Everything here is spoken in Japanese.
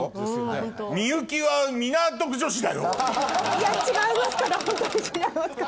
いや違いますからホントに違いますから。